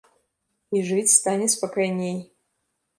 І жыць стане спакайней.